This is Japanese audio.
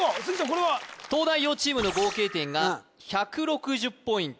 これは東大王チームの合計点が１６０ポイント